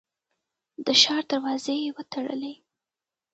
د ښار دروازې یې وتړلې.